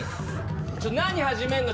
ちょっと何始めんの？